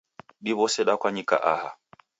Diwose dakwanyika aha